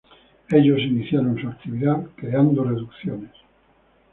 Ellos iniciaron su actividad creando reducciones.